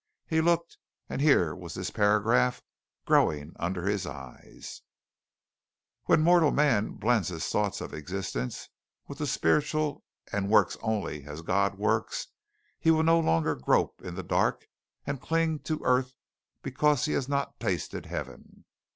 He looked, and here was this paragraph growing under his eyes: "When mortal man blends his thoughts of existence with the spiritual, and works only as God works, he will no longer grope in the dark and cling to earth because he has not tasted heaven.